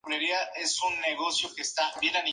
Temáticamente está dedicada a música popular y juvenil.